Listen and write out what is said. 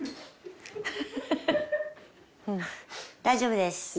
大丈夫です。